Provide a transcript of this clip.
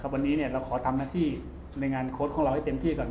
วันนี้เราขอทำหน้าที่ในงานโค้ดของเราให้เต็มที่ก่อน